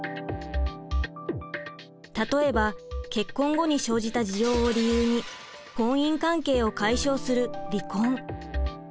例えば結婚後に生じた事情を理由に婚姻関係を解消する離婚。